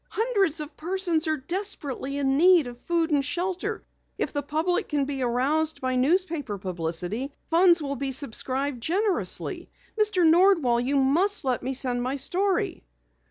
"Hundreds of persons are desperately in need of food and shelter. If the public can be aroused by newspaper publicity, funds will be subscribed generously. Mr. Nordwall, you must let me send my story!"